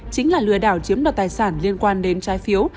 chính là lừa đảo chiếm đoạt tài sản liên quan đến trái phiếu